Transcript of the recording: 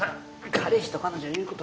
彼氏と彼女の言うこと